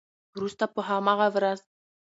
وروسته په همغه ورځ